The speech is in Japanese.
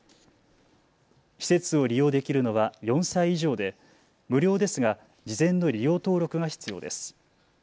施設を利用できるのは４歳以上で、無料ですが事前の利用登録が必要です。